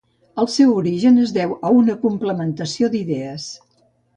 El seu origen es deu a una complementació d'idees.